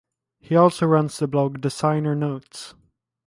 He also runs the blog "Designer Notes".